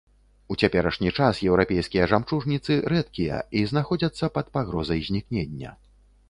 У цяперашні час еўрапейскія жамчужніцы рэдкія і знаходзяцца пад пагрозай знікнення.